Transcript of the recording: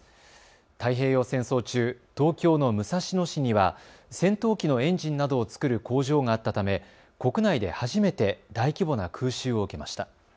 太平洋戦争中、東京の武蔵野市には戦闘機のエンジンなどを作る工場があったため国内で初めて大規模な空襲を受けました。